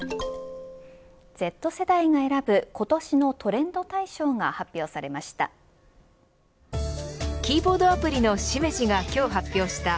Ｚ世代が選ぶ今年のトレンド大賞が発表されました。